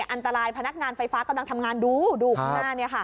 อันตรายพนักงานไฟฟ้ากำลังทำงานดูดูข้างหน้า